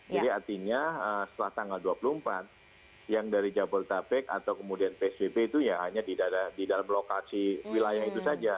jadi artinya setelah tanggal dua puluh empat yang dari jabodetabek atau kemudian pspb itu ya hanya di dalam lokasi wilayah itu saja